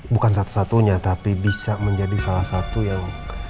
bukan satu satunya tapi bisa menjadi salah satu yang